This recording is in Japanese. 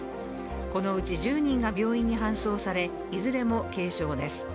このうち１０人が病院に搬送されいずれも軽症です。